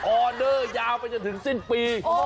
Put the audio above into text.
ออเดอร์ยาวไปจนถึงสิ้นปี